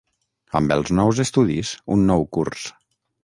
Amb els nous estudis, un nou curs.